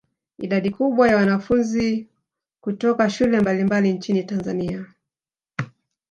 Idadi kubwa ya wanafunzi kutoka shule mbalimbali nchini Tanzania